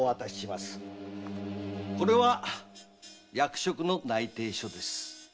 これは役職の内定書です。